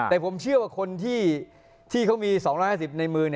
แต่ผมเชื่อว่าคนที่เขามี๒๕๐ในมือ